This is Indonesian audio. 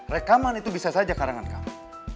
rekaman itu bisa saja karangan kami